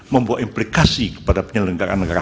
membuat implikasi kepada penyelenggaraan negara